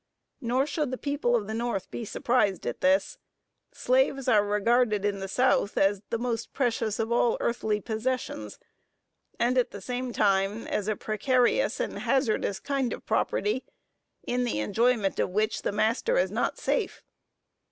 Nor should the people of the North be surprised at this. Slaves are regarded, in the South, as the most precious of all earthly possessions; and, at the same time, as a precarious and hazardous kind of property, in the enjoyment of which the master is not safe.